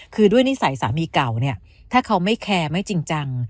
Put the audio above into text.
คือด้วยนิสัยสามีเก่าเนี่ยถ้าเขาไม่แคร์ไม่จริงจัง